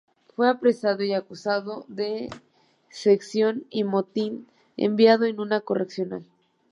Fue apresado y, acusado de sedición y motín, enviado a una correccional.